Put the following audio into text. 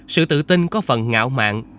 sự tự tin có phần ngạo mạng